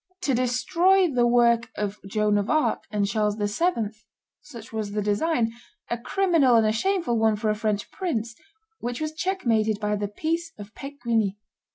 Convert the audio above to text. To destroy the work of Joan of Arc and Charles VII. such was the design, a criminal and a shameful one for a French prince, which was checkmated by the peace of Peequigny.